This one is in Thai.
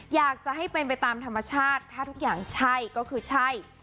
อยากจะให้เป็นไปตามธรรมชาติถ้าทุกอย่างใช่ก็คือใช่